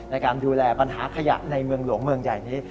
ในการดูแลปัญหาขยะในเมืองหลวงเมืองใหญ่นี้